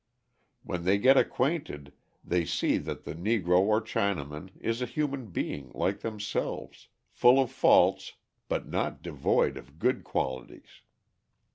When they get acquainted they see that the Negro or Chinaman is a human being like themselves, full of faults, but not devoid of good qualities.